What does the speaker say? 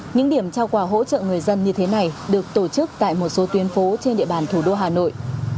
những điểm trao quà hỗ trợ người dân như thế này được tổ chức tại một số tuyến phố trên địa bàn thủ đô hà nội